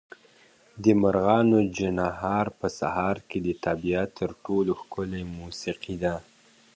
د مرغانو چڼهار په سهار کې د طبیعت تر ټولو ښکلې موسیقي ده.